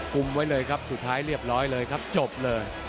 มไว้เลยครับสุดท้ายเรียบร้อยเลยครับจบเลย